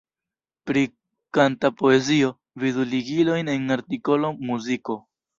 Pri kanta poezio, vidu ligilojn en artikolo "Muziko".